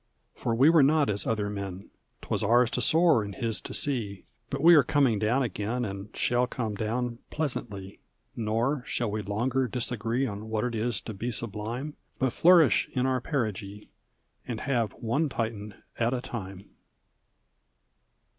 For we were not as other men: 'Twas ours to soar and his to see* But we are coming down again, And we shall come down pleasantly; Nor shall we longer disagree On what it is to be sublime, But flourish in our perigee And have one Titan at a time.